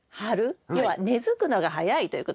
要は根づくのが早いということですね。